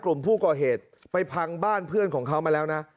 กลุ่มผู้ก่อเหตุไปพังบ้านเพื่อนของเขามาแล้วนะ